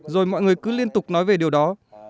rồi mọi người cứ liên tục nói về điều đó